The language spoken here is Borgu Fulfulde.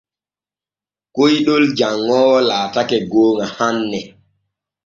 Koyɗol janŋoowo laatake gooŋa hanne.